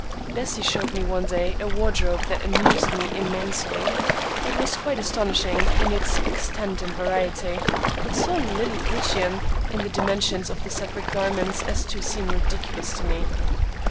Bessie showed me one day a wardrobe that amused me immensely. It was quite astonishing in its extent and variety, but so liliputian in the dimensions of the separate garments as to seem ridiculous to me.